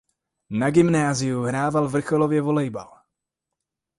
Na gymnáziu hrával vrcholově volejbal.